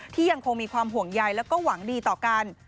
ยังคงมีความห่วงใยแล้วก็หวังดีต่อกัน